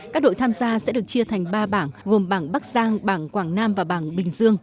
các đội tham gia sẽ được chia thành ba bảng gồm bảng bắc giang bảng quảng nam và bảng bình dương